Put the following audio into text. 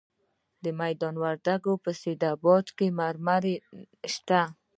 د میدان وردګو په سید اباد کې مرمر شته.